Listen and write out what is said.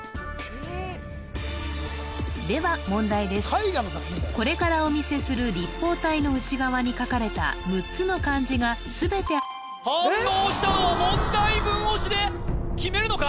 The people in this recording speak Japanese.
絵画の作品名これからお見せする立方体の内側に書かれた６つの漢字が全て反応したのは問題文押しで決めるのか？